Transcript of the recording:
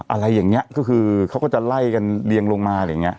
อะไรอย่างนี้ก็คือเค้าก็จะไล่กันเรียงออกเลย